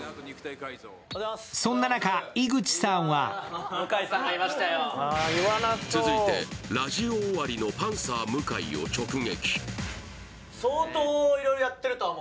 そんな中、井口さんは続いてラジオ終わりのパンサー向井を直撃。